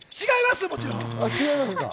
違います！